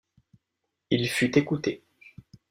Il fut écouté.